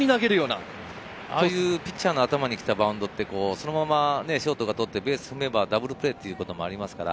ああいうピッチャーの頭に来たバウンドはそのままショートが捕ってベース踏めばダブルプレーということもあります。